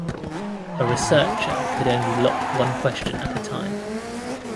A Researcher could only lock one question at a time.